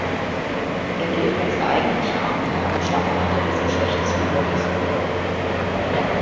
Er gilt als der eigentliche Ahnherr und Stammvater des Geschlechtes von Burkersroda.